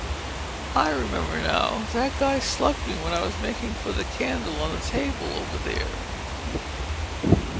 "I remember now—that guy slugged me when I was making for the candle on the table over there."